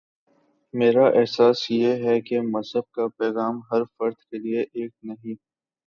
میرا احساس یہ ہے کہ مذہب کا پیغام ہر فرد کے لیے ایک نہیں ہے۔